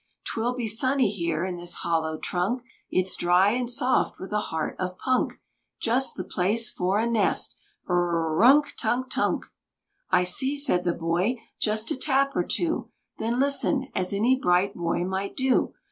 'Twill be sunny here in this hollow trunk, It's dry and soft, with a heart of punk, Just the place for a nest! rrrr runk tunk tunk. "I see," said the boy, "just a tap or two, Then listen, as any bright boy might do.